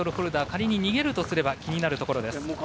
仮に逃げるとすれば気になるところです。